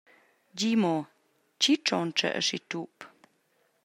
Di mo, tgi tschontscha aschi tup?»